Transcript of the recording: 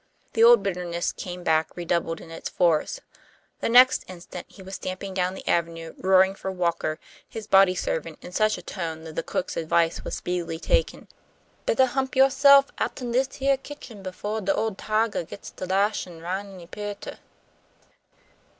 The old bitterness came back redoubled in its force. The next instant he was stamping down the avenue, roaring for Walker, his body servant, in such a tone that the cook's advice was speedily taken: "Bettah hump yo'self outen dis heah kitchen befo' de ole tigah gits to lashin' roun' any pearter."